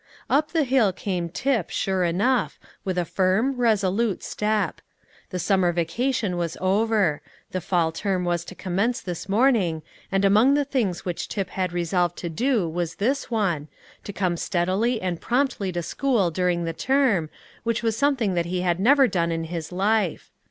Up the hill came Tip, sure enough, with a firm, resolute step. The summer vacation was over. The fall term was to commence this morning, and among the things which Tip had resolved to do was this one, to come steadily and promptly to school during the term, which was something that he had never done in his life.